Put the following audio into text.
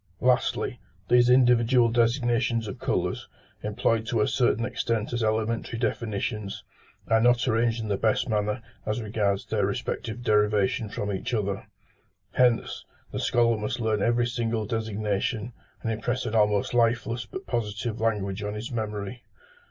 Lastly, these individual designations of colours, employed to a certain extent as elementary definitions, are not arranged in the best manner as regards their respective derivation from each other: hence, the scholar must learn every single designation, and impress an almost lifeless but positive language on his memory.